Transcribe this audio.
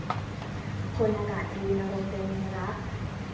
พลประกาศตรีนโรนเตรียมรัก